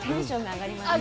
上がりますよ。